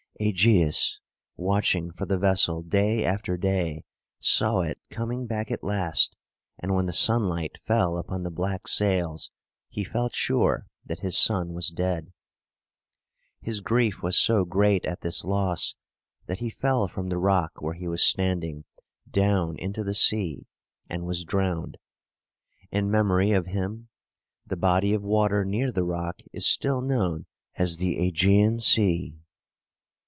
Ægeus, watching for the vessel day after day, saw it coming back at last; and when the sunlight fell upon the black sails, he felt sure that his son was dead. His grief was so great at this loss, that he fell from the rock where he was standing down into the sea, and was drowned. In memory of him, the body of water near the rock is still known as the Æ ge´an Sea.